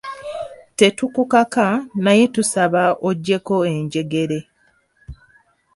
Tetukukaka naye tusaba oggyeko enjegere.